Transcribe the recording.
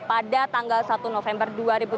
pada tanggal satu november dua ribu delapan belas